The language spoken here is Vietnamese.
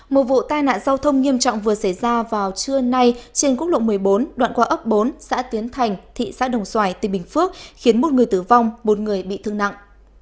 một vụ tai nạn giao thông nghiêm trọng vừa xảy ra vào trưa nay trên quốc lộ một mươi bốn đoạn qua ấp bốn xã tuyến thành thị xã đồng xoài tỉnh bình phước khiến một người tử vong một người bị thương nặng